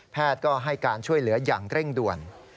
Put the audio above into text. ก็ให้การช่วยเหลืออย่างเร่งด่วน